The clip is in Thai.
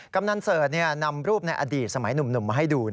กำนันเสิร์ชนำรูปในอดีตสมัยหนุ่มมาให้ดู